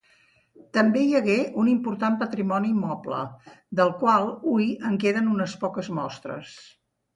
També hi hagué un important patrimoni moble, del qual hui en queden unes poques mostres.